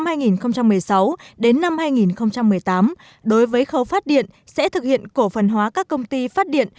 đề án tái cơ cấu ngành điện giai đoạn hai nghìn một mươi sáu hai nghìn một mươi tám đối với khâu phát điện sẽ thực hiện cổ phần hóa các công ty phát điện